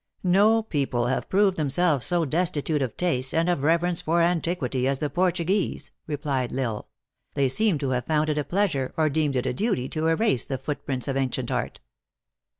"No people have proved themselves so destitute of taste, and of reverence for antiquity, as the Portu guese," replied L Isle. "They seem to have found it a pleasure, or deemed it a duty, to erase the footprints of ancient art.